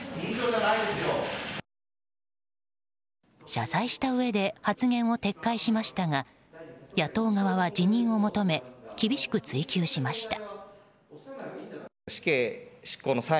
謝罪したうえで発言を撤回しましたが野党側は辞任を求め厳しく追及しました。